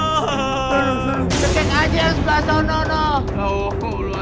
kekik aja yang sebelah sana